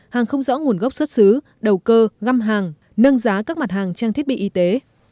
hàng không rõ nguồn gốc xuất xứ đầu cơ găm hàng nâng giá các mặt hàng trang thiết bị y tế